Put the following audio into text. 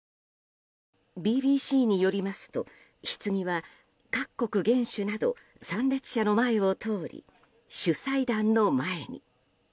ＢＢＣによりますとひつぎは各国元首など参列者の前を通り主祭壇の前に。